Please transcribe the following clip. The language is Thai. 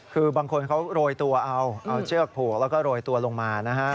คือบางคนเขารวยตัวเอาเชือกผูกแล้วก็โดยตัวลงมา